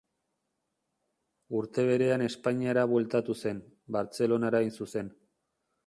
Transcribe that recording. Urte berean Espainiara bueltatu zen, Bartzelonara hain zuzen.